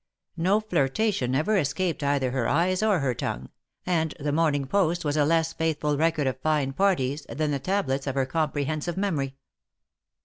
No flirtation ever escaped either her eyes or her tongue, and the Morning Post was a less faithful record of fine parties, than the tablets of her comprehensive memory.